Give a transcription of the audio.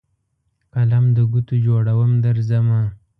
قلم دګوټو جوړوم درځمه